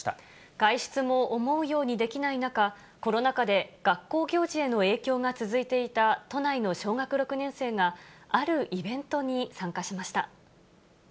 外出も思うようにできない中、コロナ禍で学校行事への影響が続いていた都内の小学６年生があるイベントに参加しました。